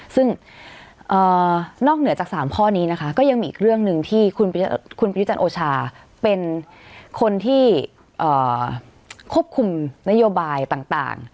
ซึ่งนอกเหนือจาก๓ข้อนี้นะคะก็ยังมีอีกเรื่องหนึ่งที่คุณประยุจันทร์โอชาเป็นคนที่ควบคุมนโยบายต่าง